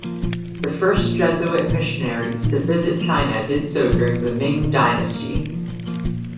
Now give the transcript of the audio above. The first Jesuit missionaries to visit China did so during the Ming dynasty.